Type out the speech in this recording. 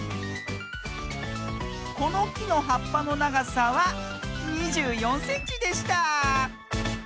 このきのはっぱのながさは２４センチでした。